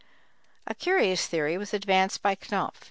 A curious theory was advanced by Knopf.